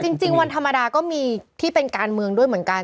จริงวันธรรมดาก็มีที่เป็นการเมืองด้วยเหมือนกัน